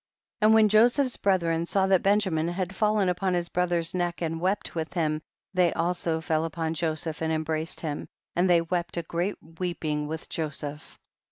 72. And when Joseph's brethren saw that Benjamin had fallen upon his brother's neck and wept with him, they also fell upon Joseph and em braced him, and they wept a great weeping with Joseph.